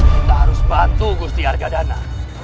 kita harus bantu gusti harga dana